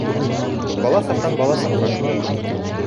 Бала саҡтан бала саҡҡа.